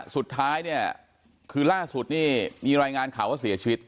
สุดท้ายเนี่ยคือล่าสุดนี่มีรายงานข่าวว่าเสียชีวิต